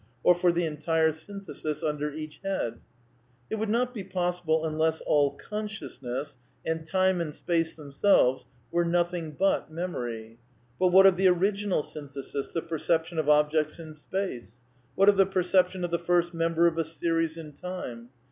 Or for the entire synthesis under each head ? It would not be possible unless all consciousness, and time and space themselves, were nothing but memory. But what of the original synthesis — the perception of objects in space? What of the perception of the first member of a series in time?